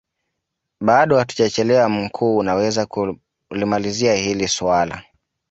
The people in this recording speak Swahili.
bado hatujachelewa mkuu unaweza kulimalizia hili suala